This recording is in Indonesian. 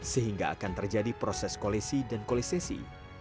sehingga akan terjadi proses kolesi dan kolisesi